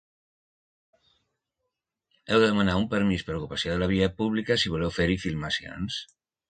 Heu de demanar un permís per ocupació de la via pública si voleu fer-hi filmacions.